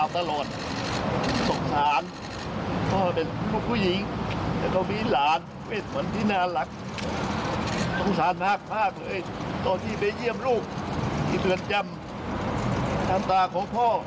ตอนที่ไปเยี่ยมลูกที่เรือนจำน้ำตาของพ่อ